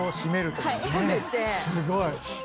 すごい。